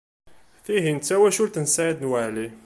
Tihin d tawacult n Saɛid Waɛli.